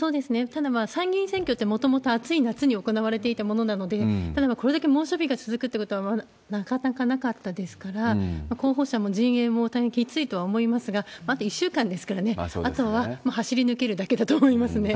ただ参議院選挙ってもともと暑い夏に行われていたものなので、ただこれだけ猛暑日が続くってことはなかなかなかったですから、候補者も陣営も大変きついとは思いますが、あと１週間ですからね、あとはもう走り抜けるだけだと思いますね。